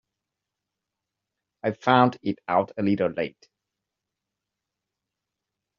I found it out a little late.